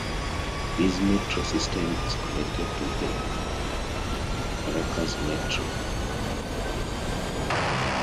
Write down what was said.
This metro system is connected to the Caracas Metro.